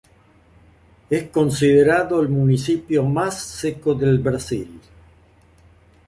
Es considerado el municipio más seco del Brasil.